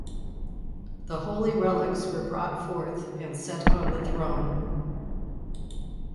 The holy relics were brought forth and set on the throne.